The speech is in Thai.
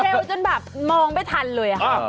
เร็วจนแบบมองไม่ทันเลยค่ะ